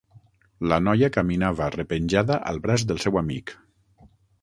La noia caminava repenjada al braç del seu amic.